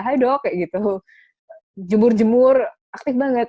hai dok jemur jemur aktif banget